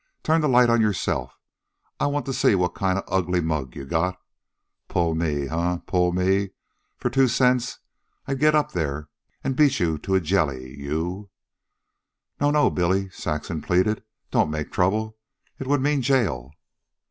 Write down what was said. "Turn the light on yourself. I want to see what kind of an ugly mug you got. Pull me, eh? Pull me? For two cents I'd get up there an' beat you to a jelly, you " "No, no, Billy," Saxon pleaded. "Don't make trouble. It would mean jail."